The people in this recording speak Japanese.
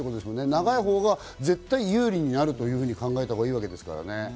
長いほうが絶対、有利になると考えられるわけですからね。